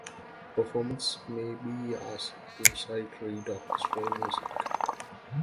Performers may be asked to sight read orchestral music.